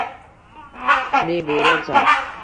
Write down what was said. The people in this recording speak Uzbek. Kuchli bo’ronsan